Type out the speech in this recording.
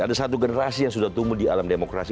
ada satu generasi yang sudah tumbuh di alam demokrasi